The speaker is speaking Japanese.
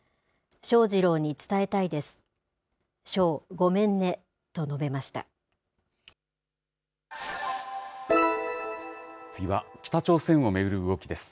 翔士郎に伝えたいです。